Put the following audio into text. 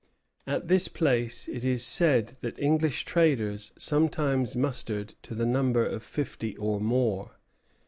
At this place it is said that English traders sometimes mustered to the number of fifty or more.